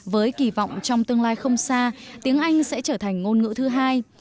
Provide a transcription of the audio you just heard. với kỳ vọng trong tương lai không xa tiếng anh sẽ trở thành ngôn ngữ thứ hai